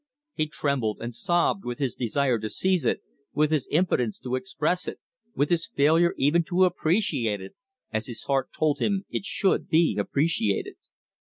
He trembled and sobbed with his desire to seize it, with his impotence to express it, with his failure even to appreciate it as his heart told him it should be appreciated.